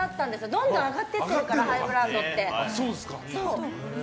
どんどん上がってってるからハイブランドって。